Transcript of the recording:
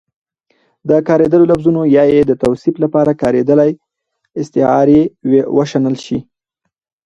د کارېدلو لفظونو يا يې د توصيف لپاره کارېدلې استعارې وشنل شي